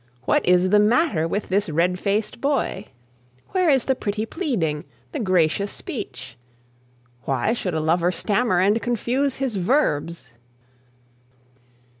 What is the matter with this red faced boy? Where is the pretty pleading, the gracious speech? Why should a lover stammer and confuse his verbs?